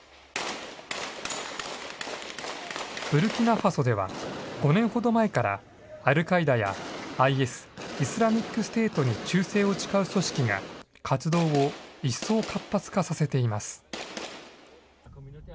ブルキナファソでは、５年ほど前からアルカイダやＩＳ・イスラミックステートに忠誠を誓う組織が活動を一層活発化させています。